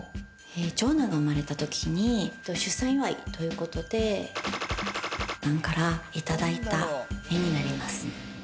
長男が生まれたときに出産祝いということで、からいただいた絵になります。